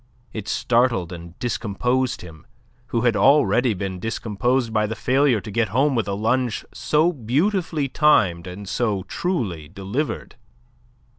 It startled and discomposed him, who had already been discomposed by the failure to get home with a lunge so beautifully timed and so truly delivered.